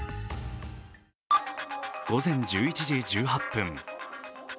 午前１１時１８分。